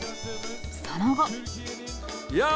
その後。